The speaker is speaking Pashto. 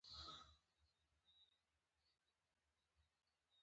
زه د تفریح له لارې ارام ترلاسه کوم.